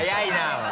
お前。